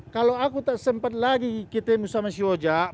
kalau aku tak sempat lagi ketemu sama si oja